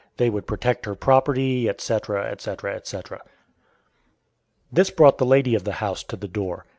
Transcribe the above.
They would protect her property, etc., etc., etc. This brought the lady of the house to the door.